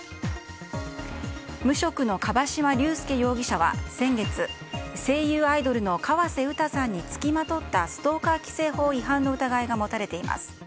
無職の樺島隆介容疑者は先月声優アイドルの河瀬詩さんに付きまとったストーカー規制法違反の疑いが持たれています。